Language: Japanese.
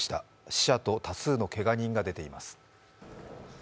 死者と多数のけが人が出ています。